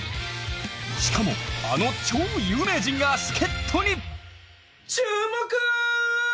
しかもあの超有名人が助っとに！